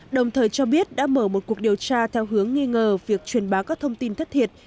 đồng thời cho biết đã mở một cuộc điều tra theo hướng nghi ngờ việc truyền bá các thông tin thất thiệt